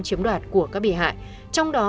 chiếm đoạt của các bị hại trong đó